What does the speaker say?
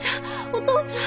お父ちゃん！